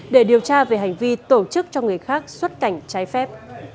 để điều tra về hành vi tổ chức cho người khác xuất cảnh trái phép